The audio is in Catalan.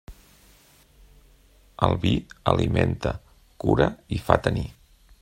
El vi alimenta, cura i fa tenir.